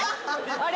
あれ？